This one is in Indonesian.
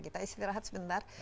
kita istirahat sebentar